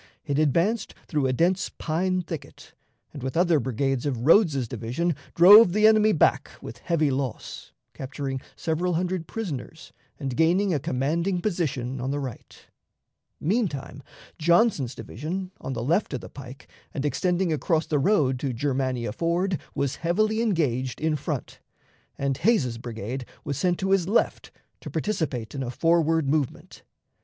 It advanced through a dense pine thicket, and, with other brigades of Rodes's division, drove the enemy back with heavy loss, capturing several hundred prisoners and gaining a commanding position on the right. Meantime, Johnson's division, on the left of the pike, and extending across the road to Germania Ford, was heavily engaged in front, and Hays's brigade was sent to his left to participate in a forward movement.